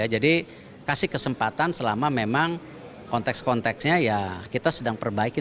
jadi kasih kesempatan selama memang konteks konteksnya ya kita sedang perbaiki